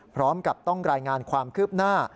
พร้อมกับต้องรายงานความคืบหน้า